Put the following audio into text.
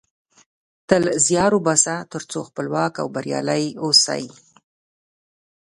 تل زیار وباسه ترڅو خپلواک او بریالۍ اوسی